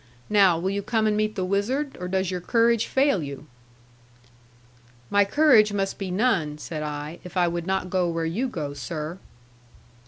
Now will you come and meet the wizard, or does your courage fail you?' 'My courage must be none,' said I, 'if I would not go where you go, sir.'